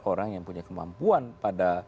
orang yang punya kemampuan pada